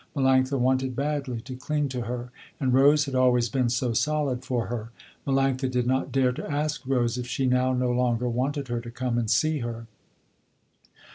Melanctha wanted badly to cling to her and Rose had always been so solid for her. Melanctha did not dare to ask Rose if she now no longer wanted her to come and see her.